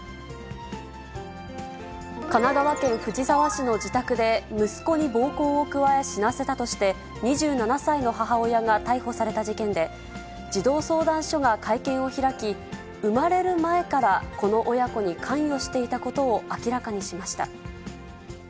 神奈川県藤沢市の自宅で、息子に暴行を加え死なせたとして、２７歳の母親が逮捕された事件で、児童相談所が会見を開き、生まれる前からこの親子に関与していたことを明らかにしました。